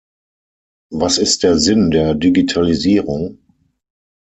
Was ist der Sinn der Digitalisierung?